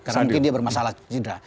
mungkin dia bermasalah sidra